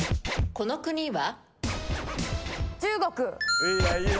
この国は？